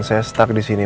saya stuck di sini